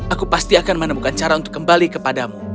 aku pasti akan menemukan cara untuk kembali kepadamu